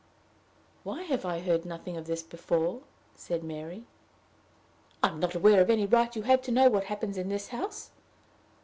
"Why have I heard nothing of this before?" said Mary. "I am not aware of any right you have to know what happens in this house."